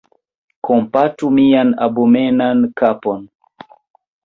Kompatu mian abomenan kapon!